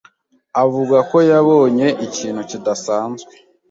avuga ko yabonye ikintu kidasanzwe.